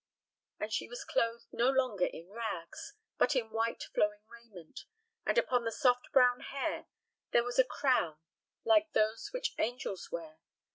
And she was clothed no longer in rags, but in white flowing raiment; and upon the soft brown hair there was a crown like those which angels wear.